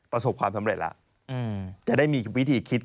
ประสบความสำเร็จแล้ว